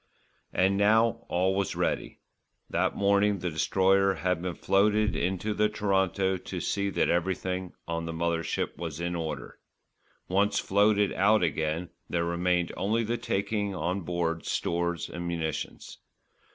And now all was ready. That morning the Destroyer had been floated into the Toronto to see that everything on the mother ship was in order. Once floated out again, there remained only the taking on board stores and munitions.